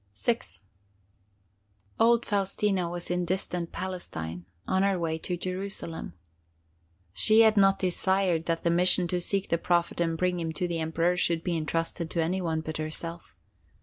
VI Old Faustina was in distant Palestine, on her way to Jerusalem. She had not desired that the mission to seek the Prophet and bring him to the Emperor should be intrusted to any one but herself.